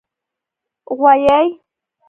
🐂 غوایی